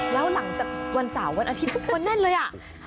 แล้วหลังจากวันสาววันอาทิตย์วันนั้นเลย